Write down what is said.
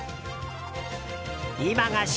今が旬！